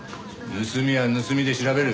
盗みは盗みで調べる。